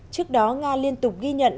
trước đó nga liên tục ghi nhận